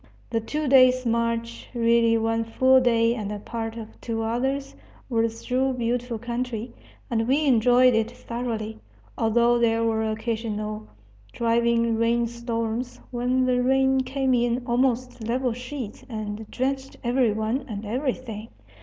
The two days' march really one full day and part of two others was through beautiful country, and we enjoyed it thoroughly, although there were occasional driving rain storms, when the rain came in almost level sheets and drenched every one and everything.